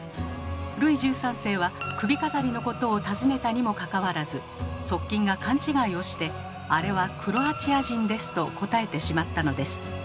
ルイ１３世は首飾りのことを尋ねたにもかかわらず側近が勘違いをして「あれはクロアチア人です」と答えてしまったのです。